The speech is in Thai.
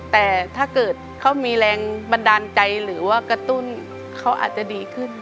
แต่ถ้าเกิดเขามีแรงบันดาลใจหรือว่ากระตุ้นเขาอาจจะดีขึ้น